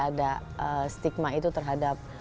ada stigma itu terhadap